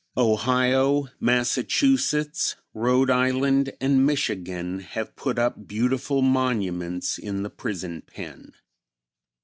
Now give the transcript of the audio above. Ohio, Massachusetts, Rhode Island and Michigan have put up beautiful monuments in the prison pen.